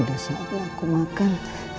sudah sempat aku makan